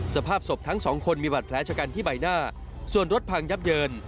สภาพศพทั้งสองคนมีบัตรแผลชะกันที่ใบหน้าส่วนรถพังยับเยิน